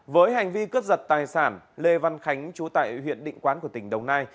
với hành vi cướp giật tài sản lê văn khánh chú tại huyện định quán của tỉnh đồng nai